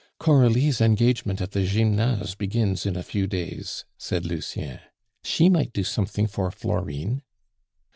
"Coralie's engagement at the Gymnase begins in a few days," said Lucien; "she might do something for Florine."